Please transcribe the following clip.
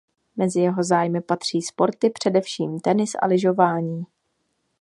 Mezi jeho zájmy patří sporty především tenis a lyžování.